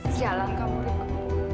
sialan kamu riko